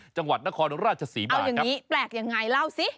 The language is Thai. จังหวัดนครราชศรีมาเอาอย่างนี้แปลกยังไงเล่าสิ